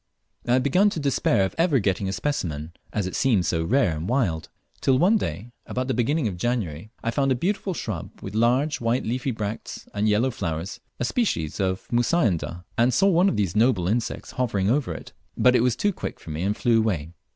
I had begun to despair of ever getting a specimen, as it seemed so rare and wild; till one day, about the beginning of January, I found a beautiful shrub with large white leafy bracts and yellow flowers, a species of Mussaenda, and saw one of these noble insects hovering over it, but it was too quick for me, and flew away.